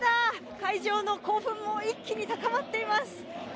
会場の興奮も一気に高まっています。